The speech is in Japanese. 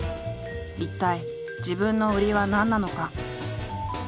一体自分の売りは何なのか？